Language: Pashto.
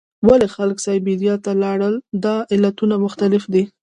ولې خلک سابیریا ته لاړل؟ دا علتونه مختلف دي.